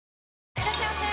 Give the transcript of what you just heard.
いらっしゃいませ！